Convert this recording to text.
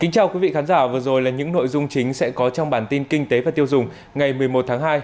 chào mừng quý vị đến với bản tin kinh tế và tiêu dùng ngày một mươi một tháng hai